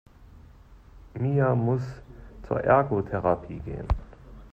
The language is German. Mia muss zur Ergotherapie gehen.